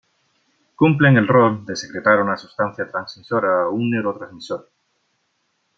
Cumplen el rol de secretar una sustancia transmisora o un neurotransmisor.